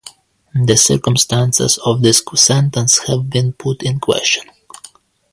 The circumstances of his sentence have been put in question.